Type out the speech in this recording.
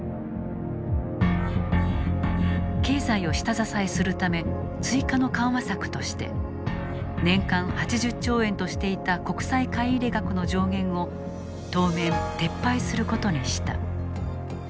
経済を下支えするため追加の緩和策として年間８０兆円としていた国債買い入れ額の上限を当面、撤廃することにした。